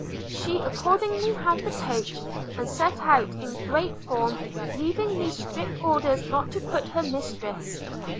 – She accordingly had the coach, and set out in great form, leaving me strict orders not to quit her mistress.